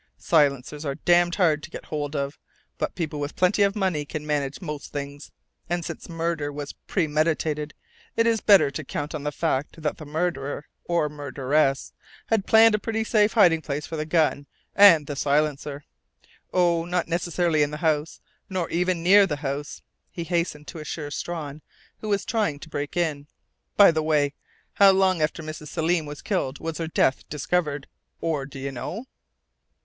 Silencers are damned hard to get hold of, but people with plenty of money can manage most things. And since the murder was premeditated, it is better to count on the fact that the murderer or murderess had planned a pretty safe hiding place for the gun and the silencer.... Oh, not necessarily in the house or even near the house," he hastened to assure Strawn, who was trying to break in.... "By the way, how long after Mrs. Selim was killed was her death discovered? Or do you know?"